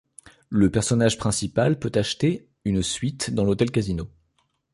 Le personnage principal peux acheter une suite dans l'hôtel-casino.